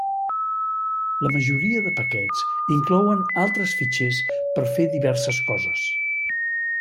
La majoria de paquets inclouen altres fitxers per fer diverses coses.